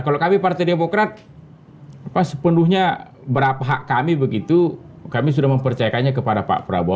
kalau kami partai demokrat sepenuhnya berapa hak kami begitu kami sudah mempercayakannya kepada pak prabowo